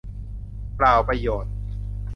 เปล่าประโยชน์